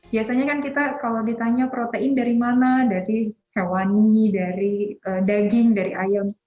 biasanya kan kita kalau ditanya protein dari mana dari hewani dari daging dari ayam